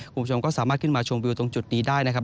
คุณผู้ชมก็สามารถขึ้นมาชมวิวตรงจุดนี้ได้นะครับ